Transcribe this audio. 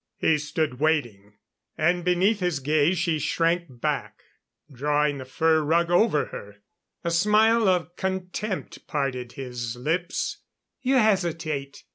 He stood waiting; and beneath his gaze she shrank back, drawing the fur rug over her. A smile of contempt parted his lips. "You hesitate?